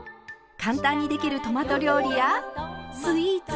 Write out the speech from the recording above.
簡単にできるトマト料理やスイーツ。